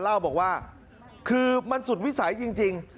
เล่าบอกว่าคือมันสุดวิสัยจริง